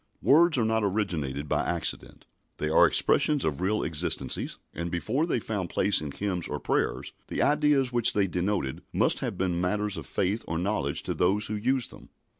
Words are not originated by accident. They are expressions of real existences, and before they found place in hymns or prayers the ideas which they denoted must have been matters of faith or knowledge to those who used them.